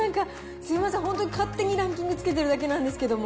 すみません、本当に勝手にランキングつけてるだけなんですけれども。